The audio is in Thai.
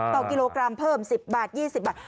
ต่อกิโลกรัมเพิ่ม๑๐บาท๒๐บาท